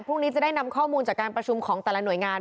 พรุ่งนี้จะได้นำข้อมูลจากการประชุมของแต่ละหน่วยงาน